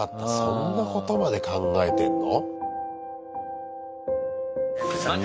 そんなことまで考えてんの？